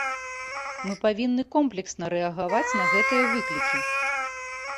Мы павінны комплексна рэагаваць на гэтыя выклікі.